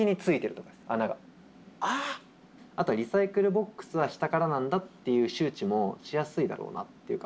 リサイクルボックスは下からなんだっていう周知もしやすいだろうなっていう。